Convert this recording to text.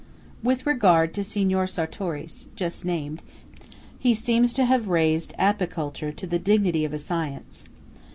With regard to Signor Sartoris, just named, he seems to have raised Apiculture to the dignity of a science.